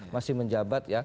masih menjabat ya